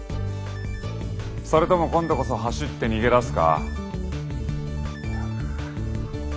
それとも今度こそ走って逃げ出すか？